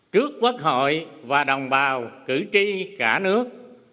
trước quốc hội và đồng bào cử tri cả nước